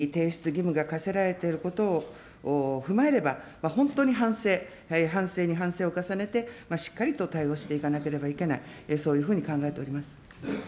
先ほども申し上げましたように、法律に基づき提出義務が課せられていることを踏まえれば、本当に反省、反省に反省を重ねて、しっかりと対応していかなければいけない、そういうふうに考えております。